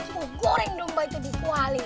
kok goreng domba itu di kuali